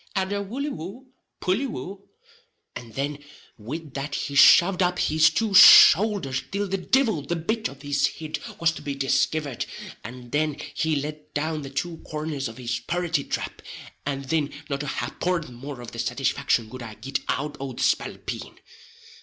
and a wolly wou, pully wou," and then wid that he shoved up his two shoulders till the divil the bit of his hid was to be diskivered, and then he let down the two corners of his purraty trap, and thin not a haporth more of the satisfaction could I git out o' the spalpeen.